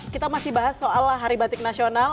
kita masih bahas soal hari batik nasional